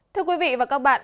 thưa quý vị và các bạn